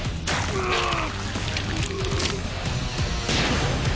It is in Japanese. うっ。